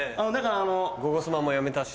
『ゴゴスマ』も辞めたし。